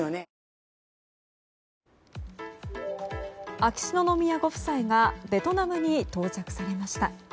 秋篠宮ご夫妻がベトナムに到着されました。